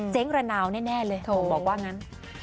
เจ๊งระนาวแน่เลยผมบอกว่างั้น